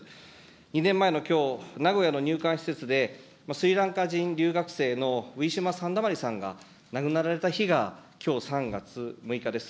２年前のきょう、名古屋の入管施設でスリランカ人留学生のウィシュマ・サンダマリさんが亡くなられた日が、きょう、３月６日です。